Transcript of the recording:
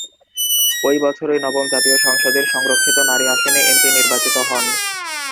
ওই বছরই নবম জাতীয় সংসদের সংরক্ষিত নারী আসনে এমপি নির্বাচিত হন।